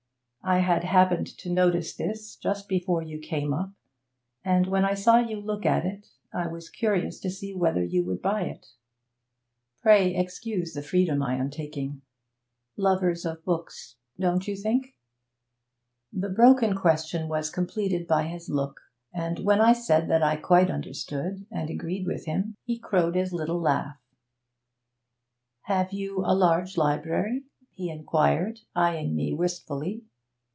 I had happened to notice this just before you came up, and when I saw you look at it, I was curious to see whether you would buy it. Pray excuse the freedom I am taking. Lovers of books don't you think ?' The broken question was completed by his look, and when I said that I quite understood and agreed with him he crowed his little laugh. 'Have you a large library?' he inquired, eyeing me wistfully.